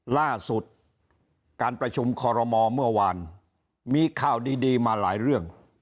ล่าสุดการประชุมคอรมอเมื่อวานมีข่าวดีมาหลายเรื่อง